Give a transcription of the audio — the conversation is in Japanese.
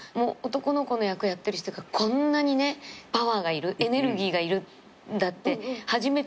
男の子の役やってる人がこんなにパワーがいるエネルギーがいるんだって初めて知った。